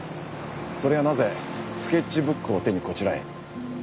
それがなぜスケッチブックを手にこちらへ？